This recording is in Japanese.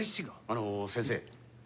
あの先生。